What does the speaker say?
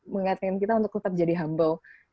mengingatkan kita untuk tetap jadi humble